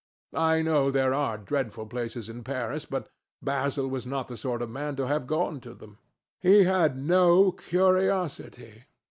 I know there are dreadful places in Paris, but Basil was not the sort of man to have gone to them. He had no curiosity.